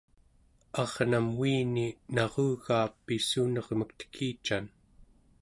arnam uini narugaa pissunermek tekican